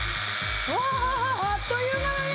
あっという間だね。